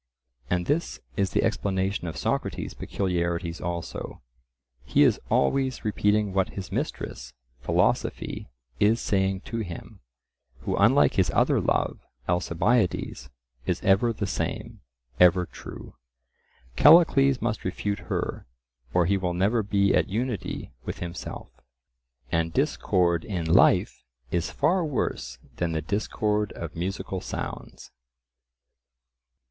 And this is the explanation of Socrates' peculiarities also. He is always repeating what his mistress, Philosophy, is saying to him, who unlike his other love, Alcibiades, is ever the same, ever true. Callicles must refute her, or he will never be at unity with himself; and discord in life is far worse than the discord of musical sounds.